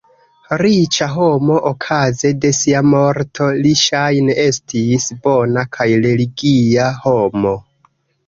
Riĉa homo okaze de sia morto, li ŝajne estis bona kaj religia homo.